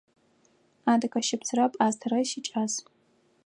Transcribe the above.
Адыгэ щыпсрэ пӏастэрэ сикӏас.